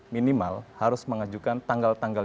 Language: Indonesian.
minimal harus mengajukan tanggal tanggal